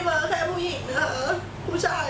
เพราะปิ๊บไม่ได้มีอีกพวกอะไรไม่ได้รู้จักใคร